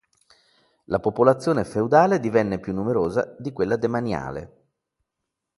La popolazione feudale divenne più numerosa di quella demaniale.